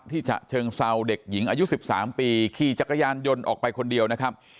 ฉะเชิงเซาเด็กหญิงอายุ๑๓ปีขี่จักรยานยนต์ออกไปคนเดียวนะครับ